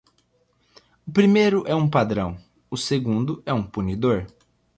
O primeiro é um padrão, o segundo é um punidor.